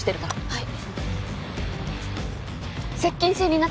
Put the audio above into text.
はい！